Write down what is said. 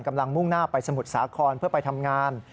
มุ่งหน้าไปสมุทรสาครเพื่อไปทำงาน